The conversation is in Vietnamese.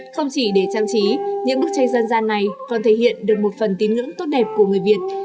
không chỉ để trang trí những bức tranh dân gian này còn thể hiện được một phần tín ngưỡng tốt đẹp của người việt